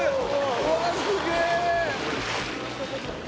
うわっすげえ！